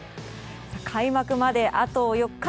開幕まであと４日。